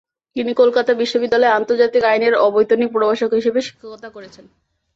তিনি কলকাতা বিশ্ববিদ্যালয়ে আন্তর্জাতিক আইনের অবৈতনিক প্রভাষক হিসেবে শিক্ষকতা করেছেন।